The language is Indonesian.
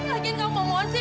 lagi gak mau mohon sih